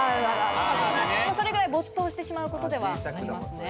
それぐらい没頭してしまうことではありますね。